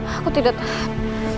aku tidak tahan